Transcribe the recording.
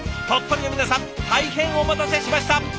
鳥取の皆さん大変お待たせしました！